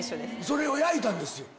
それを焼いたんですよ。